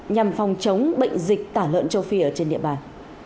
nhằm phòng chống bệnh dịch tả lợn châu phi ở trên địa bàn